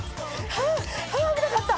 ハァ危なかった！